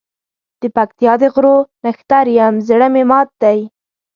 دپکتیا د غرو نښتر یم زړه مي مات دی